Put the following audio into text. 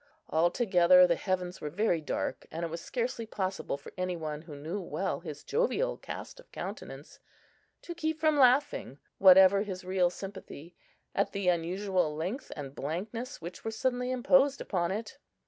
Altogether the heavens were very dark; and it was scarcely possible for any one who knew well his jovial cast of countenance, to keep from laughing, whatever his real sympathy, at the unusual length and blankness which were suddenly imposed upon it.